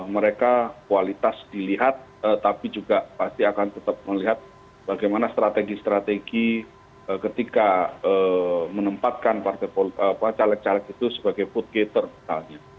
mereka kualitas dilihat tapi juga pasti akan tetap melihat bagaimana strategi strategi ketika menempatkan caleg caleg itu sebagai food gater misalnya